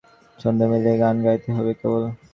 ছন্দ মিলিয়ে গান গাইতে হবে কেবল।